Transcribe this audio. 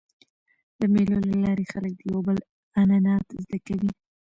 د مېلو له لاري خلک د یو بل عنعنات زده کوي.